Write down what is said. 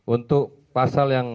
untuk pasal yang